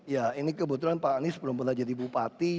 ya ini kebetulan pak anies belum belajar di bupati